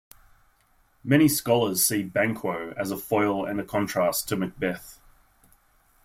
Many scholars see Banquo as a foil and a contrast to Macbeth.